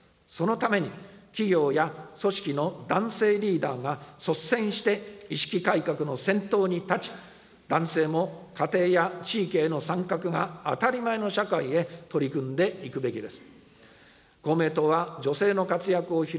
そのために、企業や組織の男性リーダーが率先して、意識改革の先頭に立ち、男性も家庭や地域への参画が当たり前の社会へ取り組んでいくべき